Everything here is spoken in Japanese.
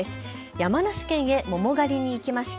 山梨県へ桃狩りに行きました。